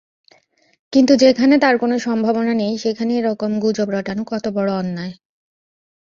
কিন্তু যেখানে তার কোনো সম্ভাবনা নেই সেখানে এরকম গুজব রটানো কত বড়ো অন্যায়!